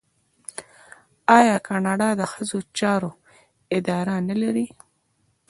آیا کاناډا د ښځو چارو اداره نلري؟